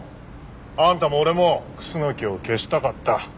あんたも俺も楠木を消したかった。